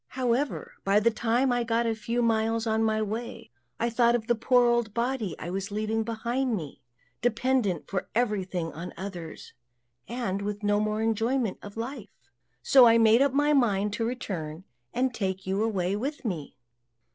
However, by the time I had got a few miles on my way, I thought of the poor old body I was leaving behind me, dependent for everything on others, and with no more enjoyment of life. So I made up my mind to return, and take you away with me."